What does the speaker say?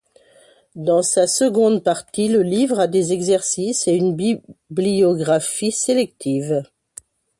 Dans sa seconde partie le livre a des exercices et une bibliographie sélective.